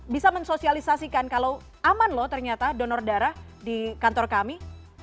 bisa mensosialisasikan kalau aman loh ternyata donor darah di kantor kami